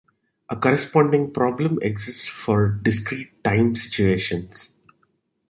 A corresponding problem exists for discrete time situations.